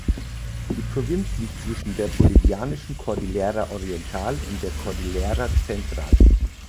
Die Provinz liegt zwischen der bolivianischen Cordillera Oriental und der Cordillera Central.